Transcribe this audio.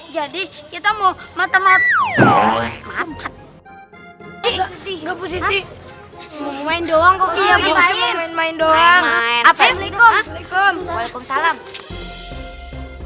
jadi kita mau matematik hai di sini main doang main main doang apa yang dikomunikasi